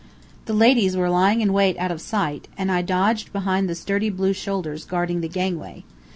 The ladies were lying in wait out of sight, and I dodged behind the sturdy blue shoulders guarding the gangway.